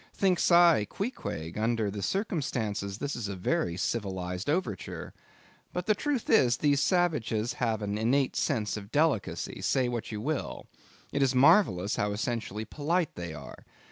Thinks I, Queequeg, under the circumstances, this is a very civilized overture; but, the truth is, these savages have an innate sense of delicacy, say what you will; it is marvellous how essentially polite they are.